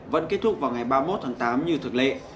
vẫn kết thúc vào ngày ba mươi một tháng tám như thường lệ